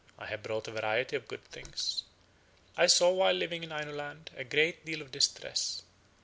I have brought a variety of good things. I saw while living in Ainuland a great deal of distress.